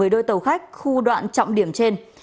một mươi đôi tàu khách khu đoạn trọng điểm trên